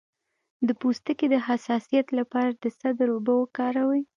د پوستکي د حساسیت لپاره د سدر اوبه وکاروئ